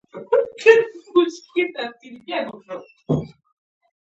البیروني له هغه سره هند ته لاړ.